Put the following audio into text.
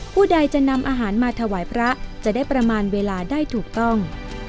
ผู้ใดจะนำอาหารมาถวายพระจะได้ประมาณเวลาได้ถูกต้อง